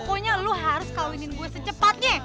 pokoknya lo harus kawinin gue secepatnya